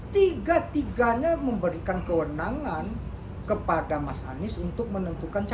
tiga tiganya memberikan kewenangan kepada mas anies untuk menentukan